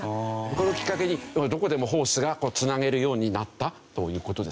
これをきっかけにどこでもホースがつなげるようになったという事ですね。